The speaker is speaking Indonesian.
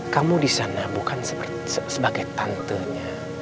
kamu disana bukan sebagai tantenya